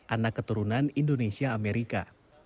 anak keturunan indonesia amerika